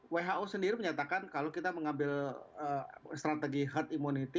who sendiri menyatakan kalau kita mengambil strategi herd immunity